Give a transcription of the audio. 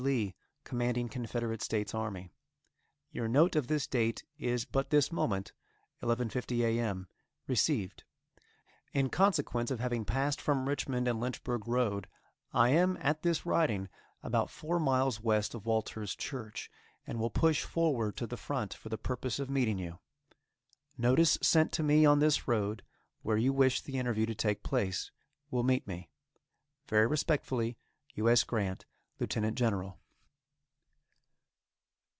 Lee, Commanding Confederate States Army:_ Your note of this date is but this moment, 11.50 a. m., received. In consequence of having passed from the Richmond and Lynchburg road, I am, at this writing, about four miles west of Walter's Church, and will push forward to the front for the purpose of meeting you. Notice sent to me on this road where you wish the interview to take place, will meet me. Very respectfully. U. S. GRANT, Lieutenant General.